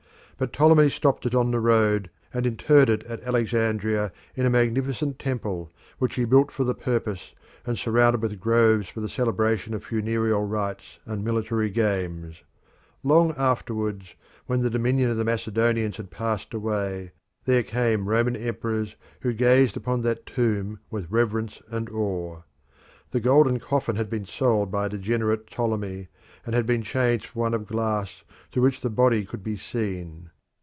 But Ptolemy stopped it on the road, and interred it at Alexandria in a magnificent temple, which he built for the purpose and surrounded with groves for the celebration of funereal rites and military games. Long afterwards, when the dominion of the Macedonians had passed away, there came Roman emperors who gazed upon that tomb with reverence and awe. The golden coffin had been sold by a degenerate Ptolemy, and had been changed for one of glass through which the body could be seen.